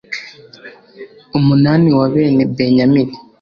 umunani wa bene benyamini